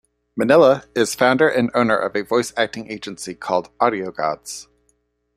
Minella is founder and owner of a voice-acting agency called AudioGodz.